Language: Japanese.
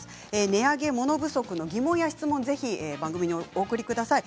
値上げ、物不足の疑問や質問をぜひ番組に、お送りください。